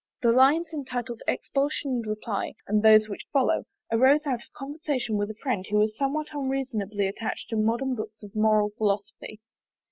The lines entitled Expostulation and Reply, and those which follow, arose out of conversation with a friend who was somewhat unreasonably attached to modern books of moral philosophy.